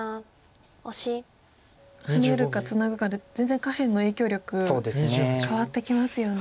ハネるかツナぐかで全然下辺の影響力変わってきますよね。